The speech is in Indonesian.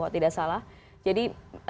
tidak salah jadi